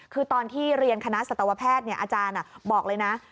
คือตอนที่เรียนคณะสัตวแพทย์อาจารย์บอกเลยนะ